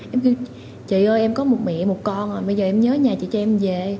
em kêu chị ơi em có một mẹ một con rồi bây giờ em nhớ nhà chị cho em về